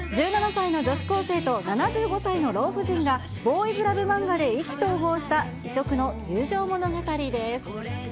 １７歳の女子高生と７５歳の老婦人が、ボーイズラブ漫画で意気投合した異色の友情物語です。